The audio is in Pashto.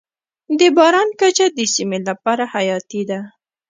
د باران کچه د سیمې لپاره حیاتي ده.